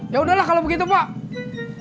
ya udahlah kalau begitu pak